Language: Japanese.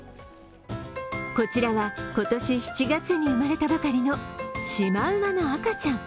こちらは今年７月に生まれたばかりのしまうまの赤ちゃん。